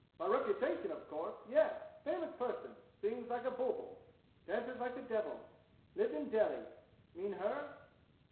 "By reputation, of course, yes. Famous person sings like a bulbul dances like the devil lived in Delhi mean her?"